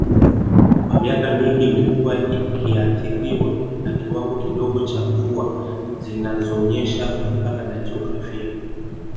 Kwa miaka mingi imekuwa ikiathiriwa na kiwango kidogo cha mvua zinazonyesha kutokana na jiografia